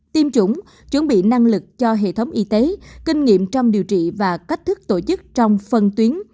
tiêm chủng chuẩn bị năng lực cho hệ thống y tế kinh nghiệm trong điều trị và cách thức tổ chức trong phân tuyến